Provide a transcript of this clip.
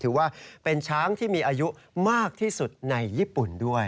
ถือว่าเป็นช้างที่มีอายุมากที่สุดในญี่ปุ่นด้วย